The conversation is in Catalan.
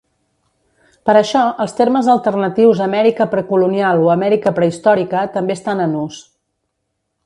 Per això, els termes alternatius Amèrica precolonial o Amèrica prehistòrica també estan en ús.